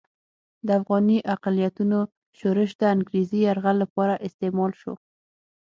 د افغاني اقلیتونو شورش د انګریزي یرغل لپاره استعمال شو.